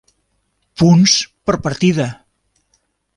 Punts per partida.